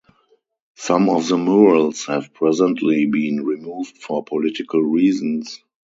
Some of the murals have presently been removed for political reasons.